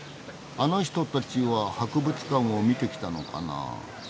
あの人たちは博物館を見てきたのかな？